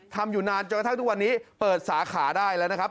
อยู่นานจนกระทั่งทุกวันนี้เปิดสาขาได้แล้วนะครับ